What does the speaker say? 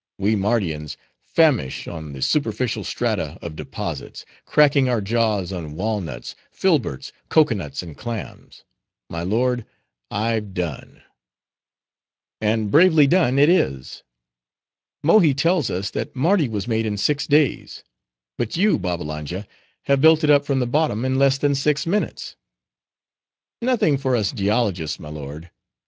We Mardians famish on the superficial strata of deposits; cracking our jaws on walnuts, filberts, cocoa nuts, and clams. My lord, I've done." "And bravely done it is. Mohi tells us, that Mardi was made in six days; but you, Babbalanja, have built it up from the bottom in less than six minutes." "Nothing for us geologists, my lord.